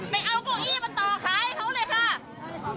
ไปเอาเก้าอี้มาต่อขายเขาเลยค่ะ